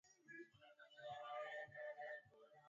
ambazo ni Musoma Butiama Bunda Serengeti Tarime na Rorya